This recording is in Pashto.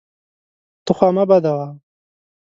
ته خوا مه بدوه!